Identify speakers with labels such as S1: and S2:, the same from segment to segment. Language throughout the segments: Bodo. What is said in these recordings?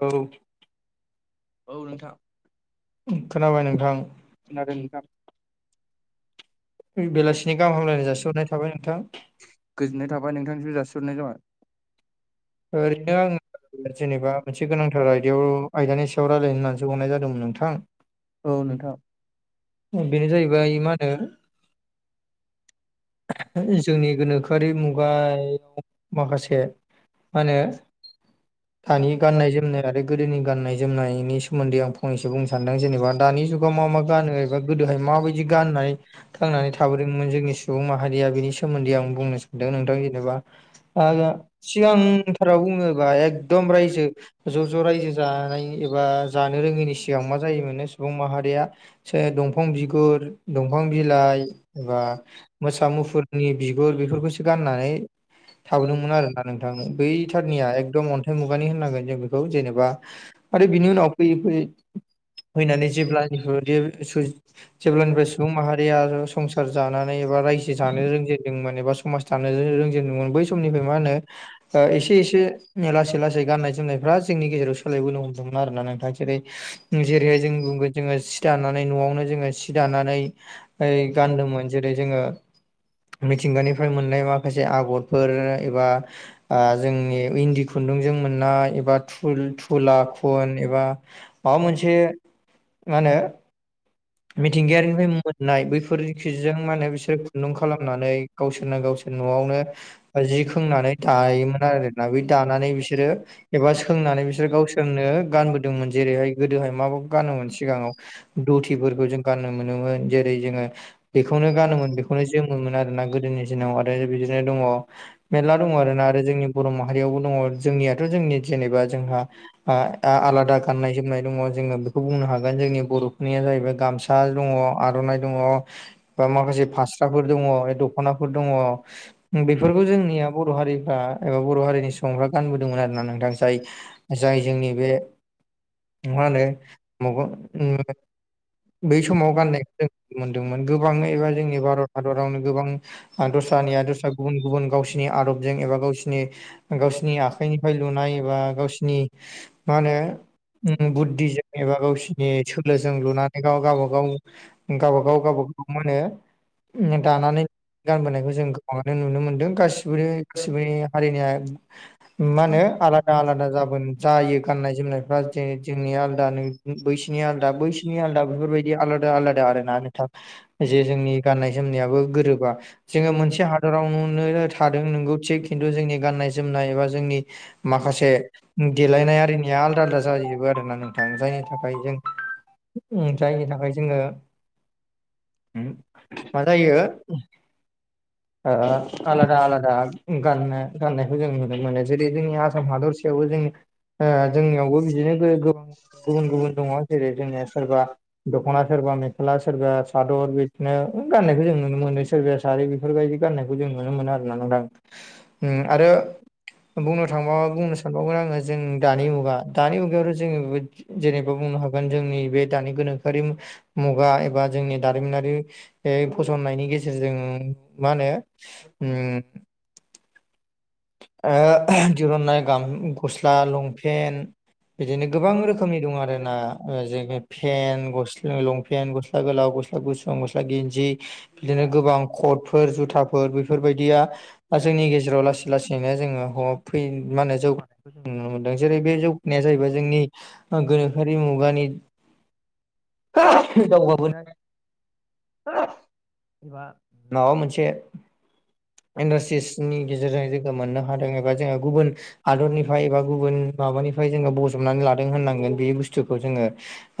S1: औ
S2: औ नोंथां
S1: खोनाबाय नोंथां
S2: खोनादों नोंथां
S1: बेलासिनि गाहाम हामलायनाय जासिहरनाय थाबाय नोंथां।
S2: गोजोननाय थाबाय नोंथांसिम जासिहरनाय जाबाय
S1: ओरैनो आङो जेनेबा मोनसे गोनांथार आयदायाव आयदानि सायाव रायलायनो होननानैसो हरनाय जादोंमोन नोंथां।
S2: औ नोंथां
S1: बेनो जाहैबाय मा होनो जोंनि गोनोखोआरि मुगायाव माखासे मा होनो दानि गाननाय जोमनाय आरो गोदोनि गाननाय जोमनायनि सोमोन्दै आं फंनैसो बुंनो सानदों जेनेबा दानि जुगाव मा मा गानो एबा गोदोहाय माबायदि गाननाय थांनानै थाबोदोंमोन जों सुबुं माहारिया बिनि सोमोन्दै आं बुंनो सानदों नोंथां जेनेबा आगा सिगांथाराव बुङोबा एकदम रायजो ज' ज' रायजो जानायनि एबा जानो रोङैनि सिगां मा जायोमोनो सुबुं माहारिया जे दंफां बिगुर दंफां बिलाइ एबा मोसा मुफुरनि बिगुर बेफोरखौसो गाननानै थाबोदोंमोन आरो ना नोंथां बैथारनिया एकदम अन्थाइ मु मुगानि होननांगोन जों बेखौ जेनेबा आरो बिनि उनाव फैयै फैयै फैनानै जेब्ला बेफोरबादि सुज जेब्लानिफ्राय सुबुं माहारिया संसार जानानै एबा रायजो जानो रोंजेनदोंमोन एबा समाज थानोरो- रोंजेनदोंमोन बै समनिफ्राय मा होनो ओ एसे एसे लासै लासै गाननाय जोमनायफ्रा जोंनि गेजेराव सोलायबोनो हमदोंमोन आरो ना नोंथां जेरै जेरैहाय जों बुंगोन जोङो सि दानानै न'आवनो जोङो सि दानानै ओइ गानदोंमोन जेरै जोङो मिथिंगानिफ्राय मोननाय माखासे आगरफोर एबा आ जोंनि इन्दि खुन्दुंजों मोननाय एबा थुल-थुला खुन एबा माबा मोनसे मा होनो मिथिंगायारिनिफ्राय मोननाय बैफोरखि जों माने बिसोर खुन्दुं खालामनानै गावसोरना गावसोर न'आवनो जि खोंनानै दायोमोन आरोना बे दानानै बिसोरो एबा सोंनानै बिसोर गाव जोंनो गानबोदोंमोन जेरैहाय गोदोहाय मा गानोमोन सिगाङाव दथिफोरखौ जों गान मोनोमोन जेरै जोङो बेखौनो गानोमोन बे बेखौनो जोङोमोन आरोना गोदोनि दिनाव आरो बिदिनो दङ मेरला दङ आरो ना आरो जोंनि बर' माहारियावबो दङ जोंनियाथ' जोंनि जेनेबा जोंहा आ आ-आलादा गाननाय जोमनाय दङ' जोङो बेखौ बुंनो हागोन जोंनि बर'फोरनिया जाहैबाय गामसा दङ' आर'नाइ दङ' बा माखासे फास्राफोर दङ' दख'नाफोर दङ' बेफोरखौ जोंनिया बर' हारिफ्रा एबा बर' हारिनि सुबुंफ्रा गानबोदोंमोन आरो ना नोंथां जाय जाय जोंनि बे मा होनो मगं [unintelligible] बै समाव गाननायखौ जों नुनो मोनदोंमोन गोबाङै एबा जोंनि भारत हादरावनो गोबां आ दस्रानिया दस्रा गुबुन गुबुन गावसिनि आदबजों एबा गावसिनि गावसिनि आखाइनिफ्राय लुनाय एबा गावसिनि मा होनो बुद्धिजों एबा गावसिनि सोलोजों जों लुनानै गव गावबा गाव गावब गाव गावबागाव मोनो दानानै गानबोनायखौ जों गोबाङानो नुनो मोनदों गासिबो गासिबोनि हारिनिया मा होनो आलादा आलादा जाबो जायो गाननाय जोमनायफ्रा जेरै जोंनिया आलादा बैसिनिया आलदा बैसि- निया आलादा बेफोरबायदि आलादा आलादा आरो ना नोंथां जे जोंनि गाननाय जोमनायाबो गोरोबा जोङो मोनसे हादराव नुनो थादों नंगौ थिग खिन्थु जोंनि गाननाय जोमनाय एबा जोंनि माखासे देलायनाय आरिनिया आलदा आलदा जाजोबो आरोना नोंथां जायनि थाखाय जों जायनि थाखाय जोंङो मा जायो [inaudible] आलादा आलादा गाननो गाननायखौ जों नुनो मोनो जेरै जोंनि आसाम हादरसायावबो जों जोंनियावबो बिदिनो गोबां गुबुन गुबुन दङ जेरै जोंनिया सोरबा दख'ना सोरबा मेख्ला सोरबा सादर बिदिनो गाननायखौ जों नुनो मोनो सोरबाया सारि बेफोरबायदि गान्नायखौ जों नुनो मोनो आरोना नोंथां आरो बुंनो थांबा बुंनो सानबावगोन आङो जों दानि मुगा दानि मुगायावथ' जोङो जेनेबा बुंनो हागोन जोंनि बे दानि गोनोखोआरि मुगा एबा जोंनि दारिमिनारि फसंनायनि गेजेरजों मा होनो उम ओ दिरुन्नाय गाम गस्ला लंपेन्ट बिदिनो गोबां रोखोमनि दं आरो ना जेरै बे पेन्ट गसला लंपेन् गस्ला गोलाव गस्ला गुसुं गस्ला गेन्जि बिदिनो गोबां कटफोर जुथाफोर बेफोरबायदिया जोंनि गेजेराव लासै लासैनो जोङो मा होनो जौगा- जों नुनो मोनदों जेरै बे जौगानाया जाहैबाय जोंनि गोनोखोआरि मुगानि [unintelligible] दावगाबोनाय [unintelligible] एबा माबा मोनसे इन्डास्ट्रिसनि गेजेरजों जों मोननो हादों एबा जोंङो गुबुन हादरनिफ्राय एबा गुबुन माबानिफ्राय जोंङो बजबनानै लादों होननांगोन बे बुस्थुखौ जोंङो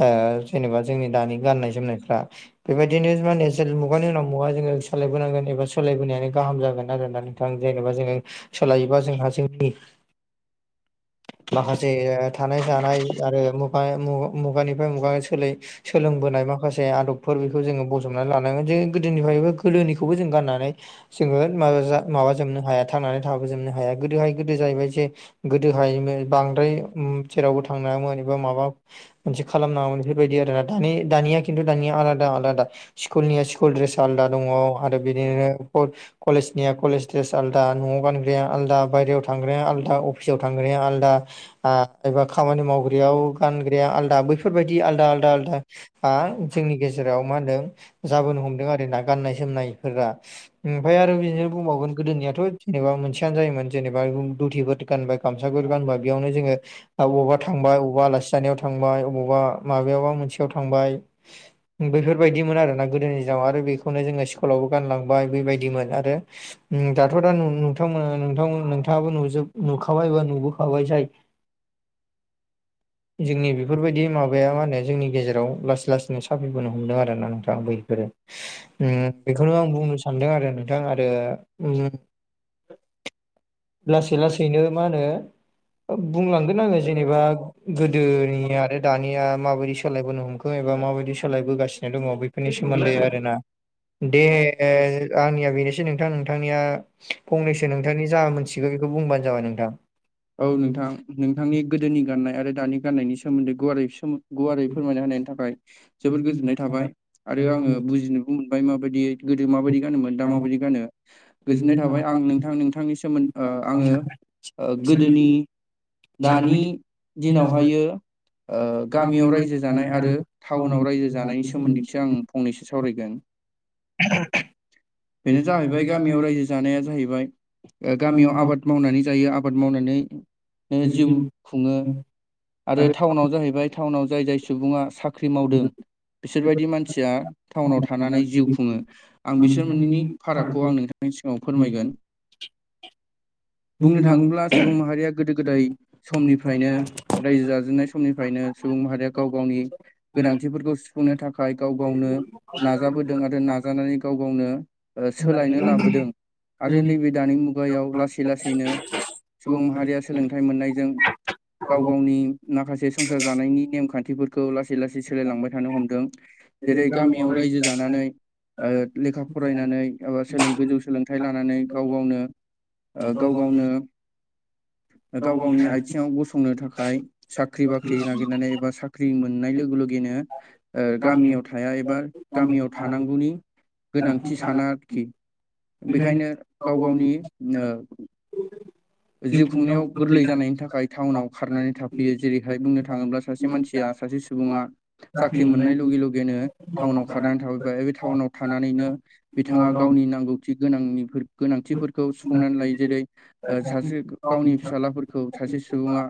S1: जेनेबा जोंनि दानि गाननाय जोमनायफ्रा बेबायदिनो मा होनो मुगानि उनाव मुगा जोङो सोलायबोनांगोन एबा सोलायबोनायानो गाहाम जागोन आरो ना नोंथां नोंथां जेनेबा जोङो सोलायोबा जोंहा जोंनि माखासे थानाय जानाय आरो मुगा मुगानिफ्राय मुगानि सोलाय सोलोंबोनाय माखासे से आदबफोर बेखौ जोंङो बजबनानै लानांगोन जों गोदोनिफ्रायबो गोदोनिखौबो जों गाननानै जोंङो मा माबाजोबनो हाया थांनानै थाबोजोबनो हाया गोदोहाय गोदो जाहैबाय जे गोदोहायोमोन बांद्राय उम जेरावबो थांनो हायामोन एबा माबा दि खालामनाङामोन बेफोरबायदि आरो ना दानि दानिया खिन्थु दानिया आलादा आलादा। सिकुलनिया स्कुल ड्रेस आलदा दङ। आरो बिदिनो कद कलेजनिया कलेज द्रेस आलदा। दा न'आव गानग्राया आलदा, बायहेरायाव थांग्राया आलदा, अफिसाव थांग्राया आलदा आ एबा खामानि मावग्रायाव गानग्राया आलदा बैफ फोरबायदि आलदा आलदा आलदा आ जोंनि गेजेराव मा होनदों जाबोनो हमदों आरो ना। गाननाय जोमनायफोरा ओमफाय आरो बिदिनो बुंबावगोन गोदोनिया थ' जेबा मोनसेयानो जायोमोन जेनेबा दुथिफोर गानबाय गामसाफोर गानबाय बेयावनो जोंङो अबावबा थांबाय अबावबा आलासि जानायाव थांबाय अबावबा माबाबा मोनसेयाव थांबाय बेफोरबायदिमोन आरोना गोदोनि दिनाव आरो बेखौनो जोङो स्कुलावबो गानलांबाय बेबायदिमोन आरो [inaudible] दाथ' दा नोंथांमोना नोंथां नोंथाङाबो नुजोब नुखाबाय बा नुबोखाबाय जाय जोंनि बेफोरबायदि माबा माबाया मा होनो जोंनि गेजेराव लासै लासैनो साफिबोनो हमदों आरो ना नोंथां बैफोरो उम बेखौनो आं बुंनो सानदों आरो नोंथां। आरो उम लासै लासैनो मा होनो ओ बुंलांगोन आङो जेनेबा गोदोनि आरो दानिया माबायदि सोलायबोनो हमख एबा माबायदि सोलायबोगासिनो दङ। बै फोरनि सोमोन्दै आरोना दे ओ आंनिया बेनोसै नोंथां नोंथांनिया फंनैसो नोंथांनि जा मोनथिगौ बेखौ बुंबानो जाबाय नोंथां।
S2: औ नोंथां नोंथांनि गोदोनि गाननाय आरो दानि गाननायनि सोमोन्दै गुवारै सोमो गुवारै फोरमायना होनायनि थाखाय जबोर गोजोननाय थाबाय। आरो आङो बुजिनोबो मोनबाय माबायदियै गोदो माबायदि गानोमोन दा माबायदि गानो? गोजोननाय थाबाय आं नोंथां नोंथांनि सोमोन ओ आङो
S1: नोंथां
S2: गोदोनि दानि दिनाव
S1: दिनावहाय
S2: हायो ओ गामियाव रायजो जानाय आरो टाउनाव रायजो जानायनि सोमोन्दैसो आं फंनैसो सावरायगोन। बेनो जाहैबाय गामियाव रायजो जानाया जाहैबाय ओ गामियाव आबाद मावनानै जायो। आबाद मावनानै ओ जिउ खुङो। आरो टाउनाव जाहैबाय टाउनाव जाय जाय सुबुङा साख्रि मावदों। बिसोरबायदि
S1: बेबायदिनो
S2: मानसिया टाउनाव थानानै जिउ खुङो। आं बिसोर मोननैनि फारागखौ आं नोंथांनि सिगाङाव
S1: नायगोन
S2: फोरमायगोन। बुंनो थाङोब्ला सुबुं माहारिया गोदो गोदाय समनिफ्रायनो रायजो जाजेननाय समनिफ्रायनो सुबुं माहारिया गाव गावनि गोनांथिफोरखौ सुफुंनो थाखाय गाव गावनो नाजाबोदों आरो नाजानानै गाव गावनो ओ सोलायनो लाबोदों। आरो नैबे दानि मुगायाव लासै लासैनो सुबुं माहारिया सोलोंथाइ मोननायजों गाव गावनि माखासे संसार जानायनि नेम खान्थिफोरखौ लासै लासै सोलायलांबाय थानो हमदों। जेरै गामियाव रायजो जानानै ओ लेखा फरायनानै एबा सोलों
S1: गाव
S2: गोजौ सोलोंथाइ लानानै गाव गावनो ओ गाव
S1: गावनि
S2: गावनो गाव गावनि आथिङाव गसंनो थाखाय साख्रि बाख्रि नागिरनानै एबा साख ख्रि मोननाय लोगो लगेनो ओ गामियाव थाया एबा गामियाव थानांगौनि गोनांथि साना आरोखि। बेखायनो गाव गावनि ओ जिउ खुंनायाव गोरलै जानायनि थाखाय टाउनाव खारनानै थाफैयो। जेरैहाय बुंनो थाङोब्ला सासे मानसिया सासे सुबुङा साख्रि मोननाय लगे लगेनो टाउनाव खारनानै थाबैबाय बे टाउनाव थानानैनो बिथाङा गावनि नांगौथि गोनांनि गोनांथिफोरखौ सुफुंनानै लायो। जेरै ओ सासे गावनि फिसालाफोरखौ सासे सुबुङा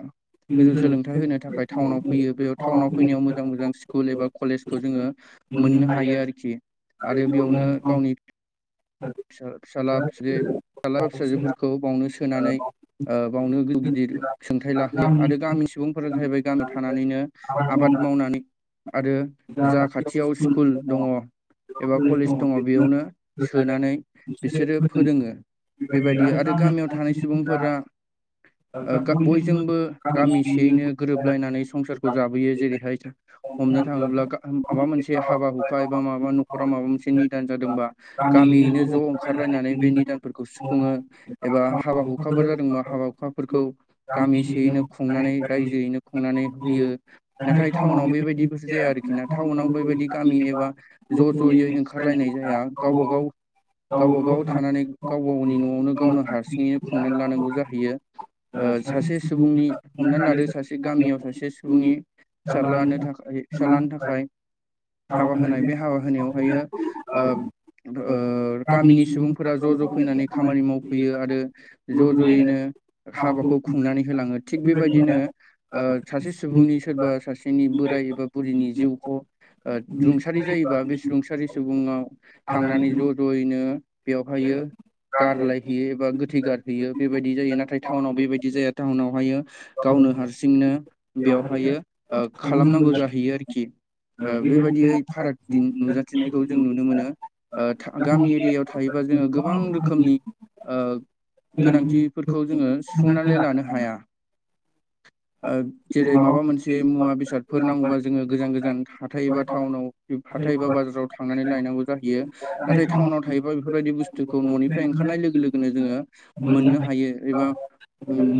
S2: गोजौ सोलोंथाइ होनो थाखाय टाउनाव फैयो बेयाव टाउनाव फैनायाव मोजां मोजां स्कुल एबा कलेजखौ जोङो मोननो हायो आरोखि आरो बेयावनो गावनि फिसा फिसाला
S1: आबाद
S2: फि [unintelligible] फिसाला
S1: मावनानै
S2: फिसाजोफोरखौ बावनो सोनानै ओ बावनो गिदिर सोंथाइ लाहोयो आरो गामिनि सुबुं फोर जाहैबाय गामियाव थानानैनो आबाद मावनानै आरो जा खाथियाव स्कुल दङ एबा कलेज दङ बेयावनो
S1: होनानै
S2: सोनानै बिसोरो फोरोङो । बेबायदि आरो गामियाव थानाय सुबुंफोरा ओ गा बयजोंबो
S1: गामि
S2: गामिसेयैनो
S1: सियैनो
S2: गोरोबलायनानै संसार खौ जाबोयो। जेरै हाय हमनो थाङोब्ला गा माबा मोनसे हाबा हुखा एबा माबा न'खरा माबा मोनसे निदान जादोंबा
S1: दानि [unintelligible]
S2: ख' ओंखारलायनानै बे निदानफोरखौ सुफुङो एबा हाबा हुखाफोर जादोंब हाबा हुखाफोरखौ गामिसेयैनो खुंनानै रायजोयैनो खुंनानै होयो। नाथाय टाउनाव बेबायदिबो जाया आरोखि ना टाउनाव बेबायदि गामि एबा ज' ज'यै ओंखारलायनाय जाया गावबा गाव गावबा गाव थानानै गावबा गावनि न'आवनो गावनो हारसिङैनो खुंनानै लानांगौ जाहैयो। ओ सासे सुबुंनि हमनानै लादो सासे गामियाव सासे सुबुंनि फिसारलानो थाखाय फिसालानो थाखाय हाबा
S1: हाबाखौ
S2: होनाय,
S1: नायबाय
S2: बे हाबा होनायावहायो ओ ओ गामिनि सुबुंफोरा
S1: गाव
S2: ज' ज'
S1: गावनि
S2: फैनानै खामानि
S1: खामानिखौ फैयो
S2: मावफैयो आरो ज' ज'यैनो हाबाखौ खुंनानै होलाङो। थिग बेबायदिनो ओ सासे सुबुंनि सोरबा सासेनि बोराय एबा बुरिनि जिउखौ ओ रुंसारि जायोबा बे रुंसारि सुबुङाव थांनानै ज' ज'यैनो
S1: खुंयो
S2: बेवहायो
S1: रांखान्थि
S2: गारलायहैयो एबा गोथै गारहैयो बेबायदि जायो। नाथाय टाउनाव बेबायदि जाया टाउनावहायो गावनो हारसिंनो बेयावहायो ओ खालामनांगौ जाहैयो आरोखि। ओ बेबायदियै फाराग
S1: बेबायदिनो
S2: दिन
S1: बिराद
S2: नुजाथिनायखौ जों नुनो मोनो। ओ था गामि एरियायाव थायोबा जोङो गोबां रोखोमनि ओ गोनांथिफोरखौ जोङो सुफुंनानै लानो हाया। ओ जेरै माबा मोनसे मुवा बेसादफोर नांगौबा
S1: हायो
S2: जोङो गोजान गोजान हाथाय एबा टाउनाव [unintelligible] हाथाय एबा बाजाराव थांनानै लायनांगौ जाहैयो। नाथाय टाउनाव थायोबा बेफोरबायदि बुस्थुखौ न'निफ्राय ओंखारनाय लोगो लोगोनो जोङो मोननो हायो एबा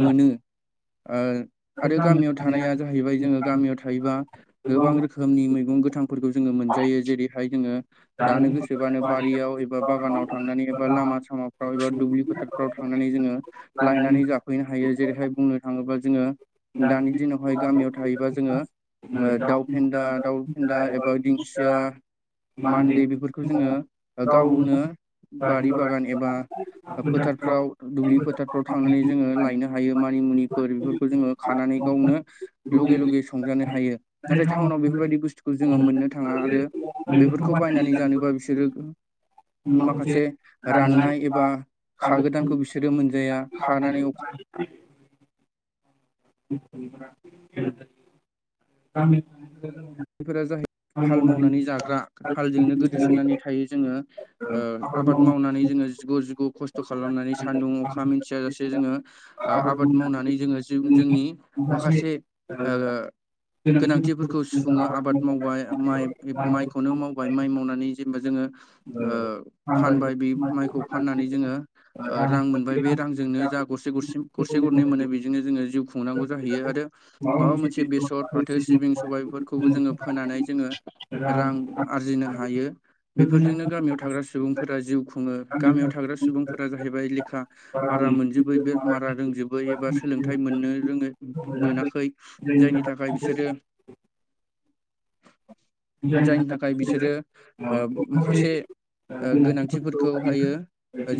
S2: मोनो। ओ आरो गामियाव थानाया जाहैबाय जोङो गामियाव थायोबा गोबां रोखोमनि मैगं गोथांफोरखौ जोङो मोनजायो। जेरैहाय जोङो जानो गोसो बानो बारियाव एबा बागानाव थांनानै एबा लामा सामाफ्राव एबा दुब्लि फोथारफ्राव थांनानै जोङो लायनानै जाफैनो हायो। जेरैहाय बुंनो थाङोब्ला जोङो दानि दिनावहाय गामियाव थायोबा जोङो ओ दाउ फेन्दा दाउ फेन्दा एबा दिंखिया, मान्दे बेफोर खौ जोङो गावनो बारि बागान एबा फोथारफ्राव दुब्लि फोथारफ्राव थांनानै जोङो लायनो हायो मानिमुनिफोर बेफोरखौ जोङो खानानै गावनो लगे लगे संजानो हायो। नाथाय टाउनाव बेफोरबायदि बुस्थुखौ जोङो मोननो थाङा आरो बेफोरखौ बायनानै जानोबा बिसोरो माखासे राननाय एबा
S1: खागोन
S2: खागोदानखौ बिसोरो मोनजाया, खानानै अखा
S1: [unintelligible] [unintelligible]
S2: फोरा जाहै हाल मावनानै जाग्रा
S1: हाल
S2: हालजोंनो
S1: मावनानै थानानै
S2: गोदोसोनानै थायो जोङो। ओ आबाद मावनानै जोङो जिग' जिग' खस्थ' खालामनानै सान्दुं अखा मिथियाजासे जोङो ओ आबाद मावनानै जोङो जि जोंनि माखासे ओ
S1: [unintelligible]
S2: गोनांथिफोरखौ सु खुङो आबाद मावबाय माइ माइखौनो मावबाय माइ मावनानै जेनेबा जोङो ओ फानबाय बे माइखौ फाननानै जोङो ओ रां मोनबाय बे रांजोंनो जा गरसे गरसे गरसे गरनै मोनो बेजोंनो जोङो जिउ खुंनांगौ जाहैयो आरो माबा मोनसे बेसर, फाथो, सिबिं, सबायफोर खौबो जोङो फोनानै जोङो रां आरजिनो
S1: फोनानै
S2: हायो। बेफोरजोंनो गामियाव थाग्रा
S1: रां
S2: सुबुंफोरा जिउ खुङो।
S1: गामिनि
S2: गामियाव थाग्रा सुबुंफोरा जाहैबाय
S1: सुबुंफोरा
S2: लेखा बारा मोनजोबै बे बारा रोंजोबै एबा सोलोंथाइ मोननो रोङै मोनाखै जायनि थाखाय बिसोरो जायनि थाखाय बिसोरो ओ माखासे ओ गोनांथिफोरखौहायो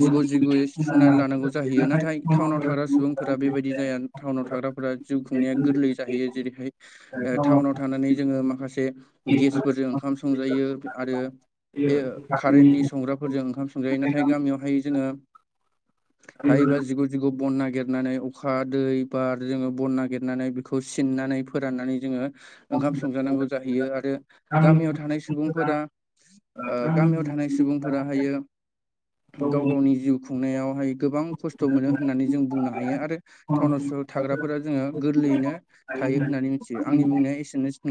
S2: जिग' जिग'यै सुफुंनानै लानांगौ जाहैयो। नाथाय टाउनाव थाग्रा सुबुंफोरा बेबाय दि जाया टाउनाव थाग्राफोरा जिउ खुंनाया गोरलै जाहैयो जेरैहाय
S1: [unintelligible]
S2: नानै जोङो माखासे गेसफोरजों ओंखाम संजायो आरो ए कारेन्टनि संग्राफोरजों ओंखाम संजायो नाथाय गामियावहाय जोङो
S1: [inaudible]
S2: थायोबा जिगु जिगु बन नागिरनानै अखा दै बार जोङो बन नागिरनानै खौ सिननानै फोराननानै जोङो ओंखाम संजानांगौ जाहैयो आरो गामियाव थानाय सुबुंफोरा ओ गामियाव थानाय सुबुंफोराहायो गाव गावनि जिउ खुंनायावहाय गोबां खस्थ' मोनो
S1: गामिनि
S2: होननानै जों बुंनो हायो आरो
S1: हायो
S2: टाउनाव सह थाग्राफोरा जोङो गोरलैयैनो थायो
S1: होननानै
S2: होन्नानै मिथियो
S1: आं
S2: आंनि बुंनाया एसेनोसै नों